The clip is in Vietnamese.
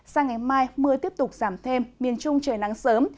sang ngày mai mưa tiếp tục giảm thêm miền trung trời nắng sớm